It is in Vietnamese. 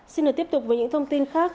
xin tiếp tục với những thông tin khác